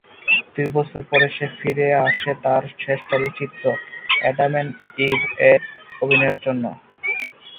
দু’বছর পরে সে ফিরে আসে তার শেষ চলচ্চিত্র, অ্যাডাম এন্ড ইভ এ অভিনয়ের জন্য।